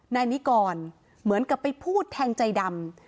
นายนิกรเหมือนกับไปพูดแทงใจดำ